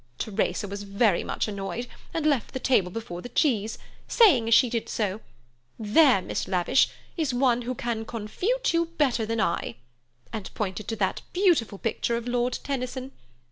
Teresa was very much annoyed, and left the table before the cheese, saying as she did so: 'There, Miss Lavish, is one who can confute you better than I,' and pointed to that beautiful picture of Lord Tennyson.